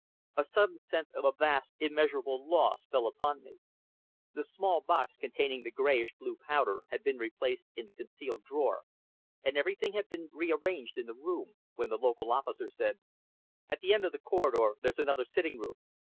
A sudden sense of a vast, immeasurable loss fell upon me. The small box containing the greyish blue powder had been replaced in the concealed drawer, and everything had been rearranged in the room, when the local officer said "At the end of the corridor there's another sitting room."